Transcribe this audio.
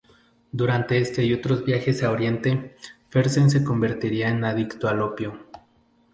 Durante este y otros viajes a oriente Fersen se convertiría en adicto al opio.